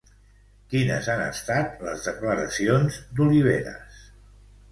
Quines han estat les declaracions d'Oliveras?